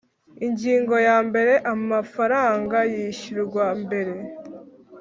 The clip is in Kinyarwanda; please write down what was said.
Ingingo ya mbere Amafaranga yishyurwa mbere